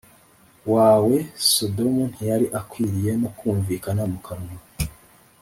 wawe Sodomu ntiyari akwiriye no kumvikana mu kanwa